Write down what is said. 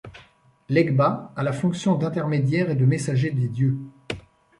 Legba, a la fonction d'intermédiaire et de messager des dieux.